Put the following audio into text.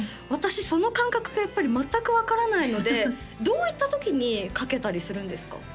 私その感覚がやっぱり全く分からないのでどういったときに書けたりするんですか？